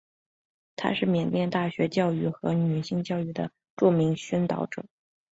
他是缅甸大学教育和女性教育的著名宣导者。